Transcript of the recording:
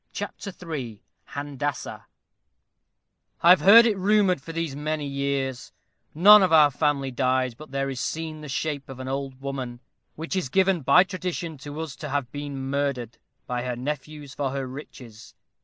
CHAPTER III HANDASSAH I have heard it rumored for these many years, None of our family dies but there is seen The shape of an old woman, which is given By tradition to us to have been murthered By her nephews for her riches.